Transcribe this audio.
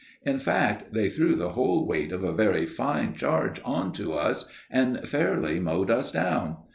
In fact, they threw the whole weight of a very fine charge on to us and fairly mowed us down.